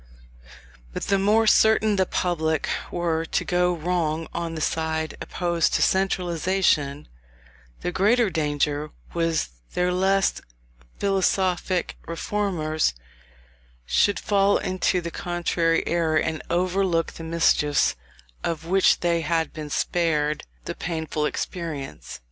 But the more certain the public were to go wrong on the side opposed to centralization, the greater danger was there lest philosophic reformers should fall into the contrary error, and overlook the mischiefs of which they had been spared the painful experience.